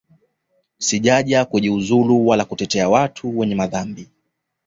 Sijaja kujiuzulu wala kutetea watu wenye madhambi